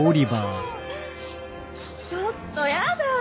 ちょっとやだ。